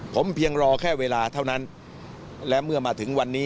ผมเพียงรอแค่เวลาเท่านั้น